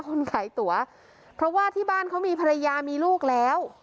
คนขายตั๋วเพราะว่าที่บ้านเขามีภรรยามีลูกแล้ว